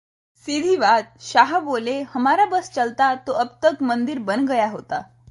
सीधी बात: शाह बोले- हमारा बस चलता तो अब तक मंदिर बन गया होता